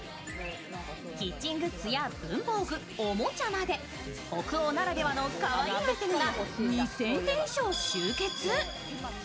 キッチングッズや文房具、おもちゃまで北欧ならではのかわいいアイテムが２０００点以上集結。